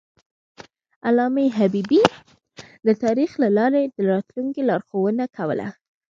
علامه حبیبي د تاریخ له لارې د راتلونکي لارښوونه کوله.